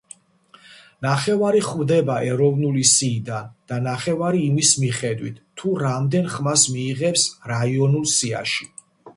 ნახევარი ხვდება ეროვნული სიიდან და ნახევარი იმის მიხედვით თუ რამდენ ხმას მიიღებს რაიონულ სიაში.